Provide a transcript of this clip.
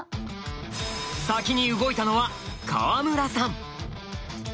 先に動いたのは川村さん！